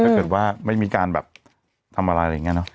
ถ้าเกิดว่าไม่มีการแบบทำอะไรอะไรอย่างนี้เนอะ